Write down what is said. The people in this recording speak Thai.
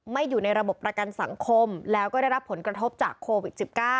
อยู่ในระบบประกันสังคมแล้วก็ได้รับผลกระทบจากโควิด๑๙